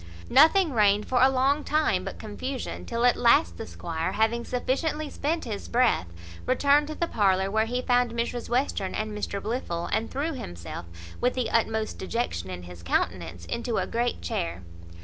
Nothing reigned for a long time but confusion; till at last the squire, having sufficiently spent his breath, returned to the parlour, where he found Mrs Western and Mr Blifil, and threw himself, with the utmost dejection in his countenance, into a great chair.